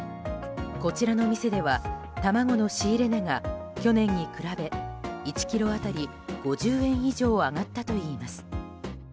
こちらの店では卵の仕入れ値が去年に比べ１ｋｇ当たり５０円以上上がったといいます。